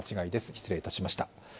失礼いたしました。